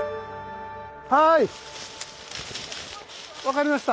はい分かりました！